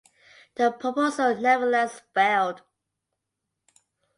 The proposal nevertheless failed.